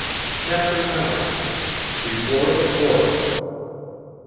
Chapter IX. BEFORE THE COURT.